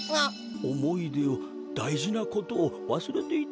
おもいでをだいじなことをわすれていってしまうのです。